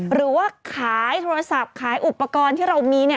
หรือว่าขายโทรศัพท์ขายอุปกรณ์ที่เรามี